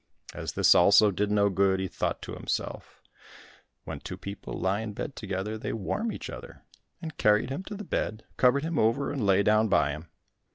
As this also did no good, he thought to himself "When two people lie in bed together, they warm each other," and carried him to the bed, covered him over and lay down by him.